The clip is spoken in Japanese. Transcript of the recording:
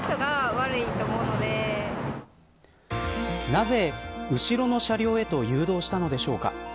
なぜ後ろの車両へと誘導したのでしょうか。